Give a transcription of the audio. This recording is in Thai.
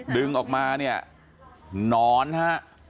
ดึงออกมาเนี่ยหนอนฮะ